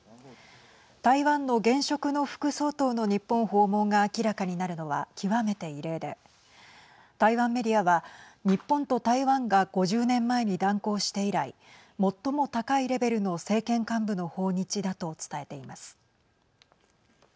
台湾の現職の副総統の日本訪問が明らかになるのは極めて異例で台湾メディアは、日本と台湾が５０年前に断交して以来最も高いレベルの政権幹部の訪日だと伝えています。